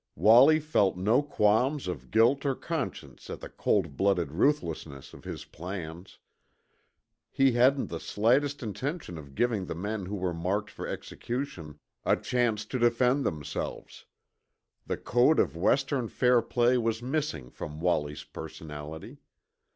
Wallie felt no qualms of guilt or conscience at the cold blooded ruthlessness of his plans. He hadn't the slightest intention of giving the men who were marked for execution a chance to defend themselves. The code of Western fair play was missing from Wallie's personality.